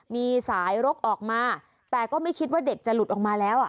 มีสายรกออกมาแต่ก็ไม่คิดว่าเด็กจะหลุดออกมาแล้วอ่ะ